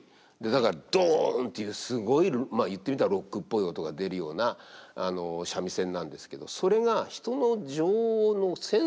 だからドンというすごいまあ言ってみたらロックっぽい音が出るような三味線なんですけど。